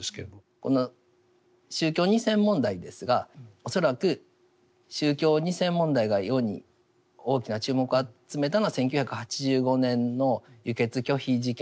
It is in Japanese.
この宗教２世問題ですが恐らく宗教２世問題が世に大きな注目を集めたのは１９８５年の輸血拒否事件